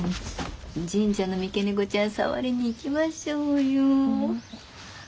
神社の三毛猫ちゃん触りに行きましょうよ。